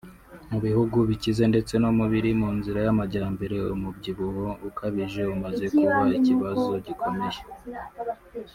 Mu bihugu bikize ndetse no mu biri mu nzira y’amajyambere umubyibuho ukabije umaze kuba ikibazo gikomeye